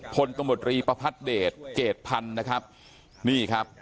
พลตำรวจรีปภัทรเดชเกรดพันธุ์นะครับนี่ครับ